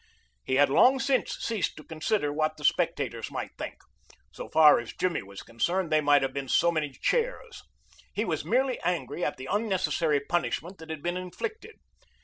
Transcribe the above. He had long since ceased to consider what the spectators might think. So far as Jimmy was concerned, they might have been so many chairs. He was merely angry at the unnecessary punishment that had been inflicted.